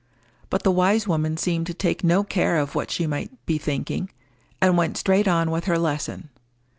But the wise woman seemed to take no care of what she might be thinking, and went straight on with her lesson.